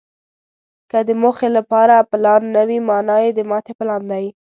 که د موخې لپاره پلان نه وي، مانا یې د ماتې پلان دی.